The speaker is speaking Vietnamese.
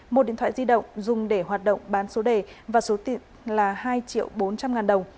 một điện thoại di động dùng để hoạt động bán số đề và số tiền là hai triệu bốn trăm linh ngàn đồng